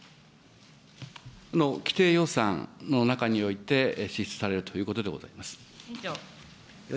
既定予算の中において、支出されるということでございます。